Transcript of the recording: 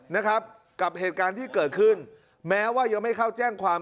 นะครับกับเหตุการณ์ที่เกิดขึ้นแม้ว่ายังไม่เข้าแจ้งความ